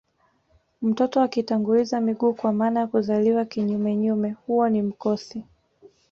Mtoto akitanguliza miguu kwa maana ya kuzaliwa kinyumenyume huo ni mkosi